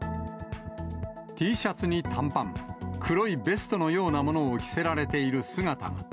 Ｔシャツに短パン、黒いベストのようなものを着せられている姿が。